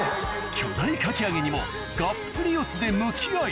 巨大かき揚げにもがっぷり四つで向き合い